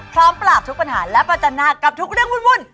พร้อมปราบทุกปัญหาและประจันหน้ากับทุกเรื่องวุ่น